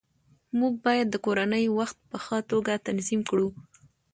موږ باید د کورنۍ وخت په ښه توګه تنظیم کړو